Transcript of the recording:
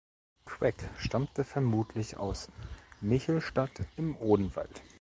Queck stammte vermutlich aus Michelstadt im Odenwald.